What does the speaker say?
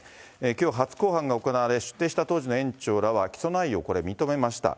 きょう初公判が行われ、出廷した当時の園長らは起訴内容を認めました。